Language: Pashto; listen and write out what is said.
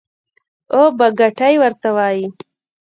او بګتۍ ورته وايي.